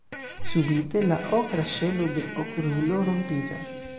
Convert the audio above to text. Subite, la okra ŝelo de Okrulo rompiĝas.